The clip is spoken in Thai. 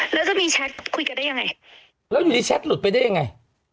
แล้วจะมีแชทคุยกันได้ยังไงแล้วอยู่ดีแชทหลุดไปได้ยังไง